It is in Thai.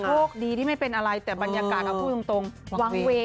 โชคดีที่ไม่เป็นอะไรแต่บรรยากาศเอาพูดตรงวางเวย์